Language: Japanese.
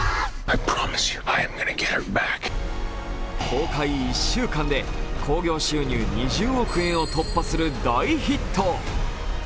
公開１週間で興行収入２０億円を突破する大ヒット。